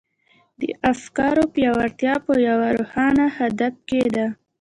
د افکارو پياوړتيا په يوه روښانه هدف کې ده.